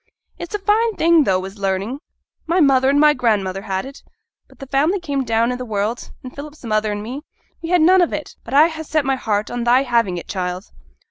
'It's a fine thing, tho', is learning. My mother and my grandmother had it: but th' family came down i' the world, and Philip's mother and me, we had none of it; but I ha' set my heart on thy having it, child.'